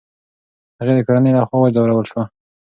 هغې د کورنۍ له خوا وځورول شوه.